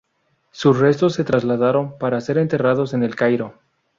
Sus restos se trasladaron para ser enterrados en El Cairo.